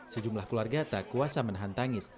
sejumlah keluarga tak kuasa menahan tangis